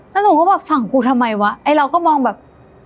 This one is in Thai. แล้วหนูก็แบบฝั่งกูทำไมวะไอ้เราก็มองแบบ